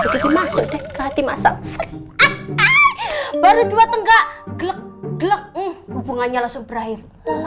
ke hati masa baru dua tengah gelap gelap hubungannya langsung berakhir